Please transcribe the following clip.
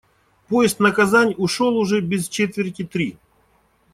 Поезд на Казань ушёл уже без четверти три.